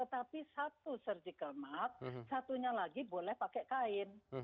tetapi satu surgical mask satunya lagi boleh pakai kain